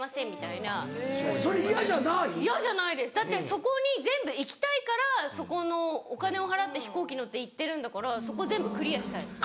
そこに全部行きたいからそこのお金を払って飛行機乗って行ってるんだからそこ全部クリアしたいです。